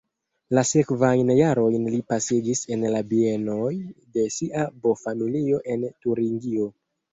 La sekvajn jarojn li pasigis en la bienoj de sia bo-familio en Turingio.